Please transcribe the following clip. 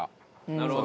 なるほど。